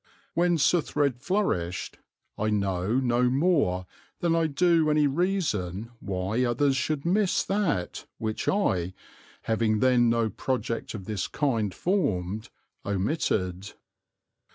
When Suthred flourished I know no more than I do any reason why others should miss that which I, having then no project of this kind formed, omitted.